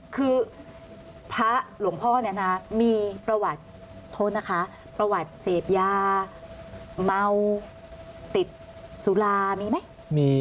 คือพระหลวงพ่อเนี่ยนะมีประวัติโทษนะคะประวัติเสพยาเมาติดสุรามีไหม